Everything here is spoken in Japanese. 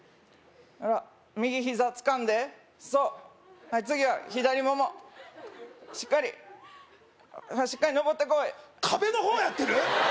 あら右膝つかんでそうはい次は左ももしっかりはいしっかり登ってこい壁の方やってる！？